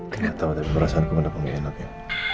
gak tau tapi perasaanku bener bener gak enak ya